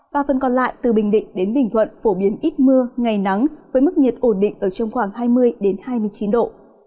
và phần còn lại từ bình định đến bình thuận phổ biến ít mưa ngày nắng với mức nhiệt ổn định ở trong khoảng hai mươi hai mươi chín độ